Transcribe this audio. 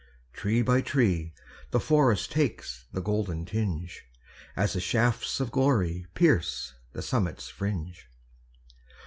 Tree by tree the forest Takes the golden tinge, As the shafts of glory Pierce the summit's fringe.